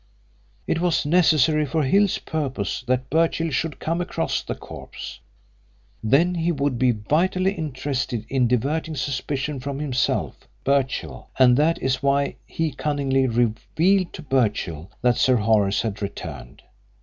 It was necessary for Hill's purpose that Birchill should come across the corpse; then he would be vitally interested in diverting suspicion from himself (Birchill) and that is why he cunningly revealed to Birchill that Sir Horace had returned.